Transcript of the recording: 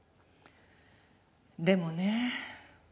でもね。